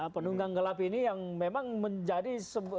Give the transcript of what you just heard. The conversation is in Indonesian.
penunggang gelap ini yang memang menjadi